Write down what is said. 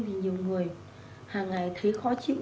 thì nhiều người hàng ngày thấy khó chịu